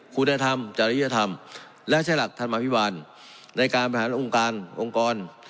คุณธรรมกับเศรษฐ์ริยธรรมและใช้หลักธรรมวิวารในการไปผ่านองค์การองค์กร